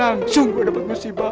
langsung gue dapet musibah